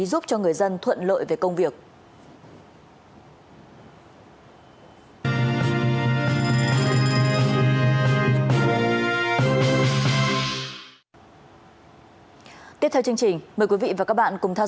giúp cho người dân thuận lợi về công việc